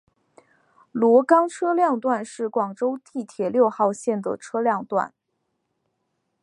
萝岗车辆段是广州地铁六号线的车辆段。